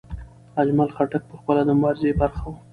اجمل خټک پخپله د مبارزې برخه و.